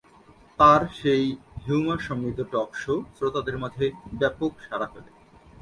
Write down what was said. তাঁর সেই হিউমার-সমৃদ্ধ টক-শো শ্রোতাদের মাঝে ব্যাপক সাড়া ফেলে।